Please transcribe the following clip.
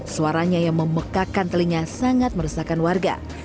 suaranya yang memekakan telinga sangat meresahkan warga